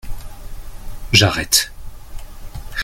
J’arrête.